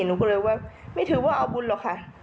หนูก็เลยว่าไม่ถือว่าเอาบุญหรอกค่ะ